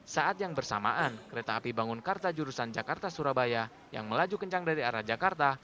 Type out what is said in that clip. saat yang bersamaan kereta api bangunkarta jurusan jakarta surabaya yang melaju kencang dari arah jakarta